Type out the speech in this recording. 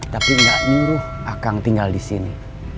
tapi gak ingu akang tinggal di sini